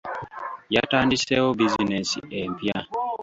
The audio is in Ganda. Yatandisewo bizinesi empya.